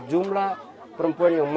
jumlah perempuan yang di sini